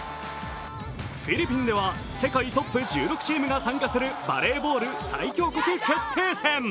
フィリピンでは世界トップ１６チームが参加するバレーボール最強国決定戦。